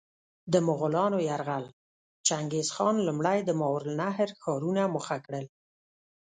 د مغولانو یرغل: چنګیزخان لومړی د ماورالنهر ښارونه موخه کړل.